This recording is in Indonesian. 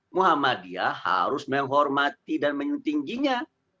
muhammadiyah harus menghormati dan menyuntingginya